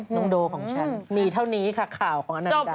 น้องโดของฉันมีเท่านี้ค่ะข่าวของอนันดา